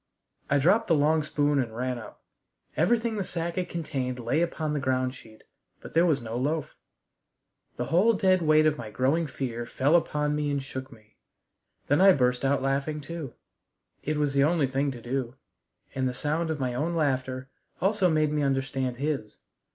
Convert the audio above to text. I dropped the long spoon and ran up. Everything the sack had contained lay upon the ground sheet, but there was no loaf. The whole dead weight of my growing fear fell upon me and shook me. Then I burst out laughing too. It was the only thing to do: and the sound of my own laughter also made me understand his.